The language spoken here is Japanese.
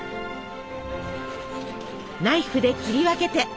ナイフで切り分けて。